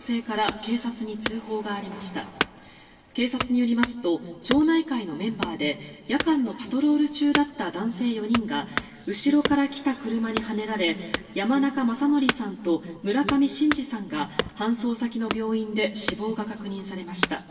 警察によりますと町内会のメンバーで夜間のパトロール中だった男性４人が後ろから来た車にはねられ山中正規さんと村上伸治さんが搬送先の病院で死亡が確認されました。